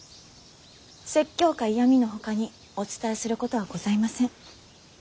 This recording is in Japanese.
説教か嫌みのほかにお伝えすることはございません。